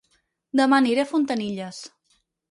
Dema aniré a Fontanilles